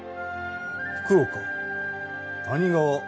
福岡谷川